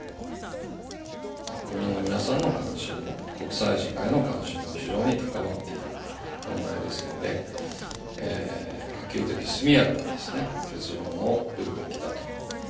国民の皆さんの関心も、国際社会の関心も非常に高まっている問題ですので、可及的速やかに結論をうるべきだと。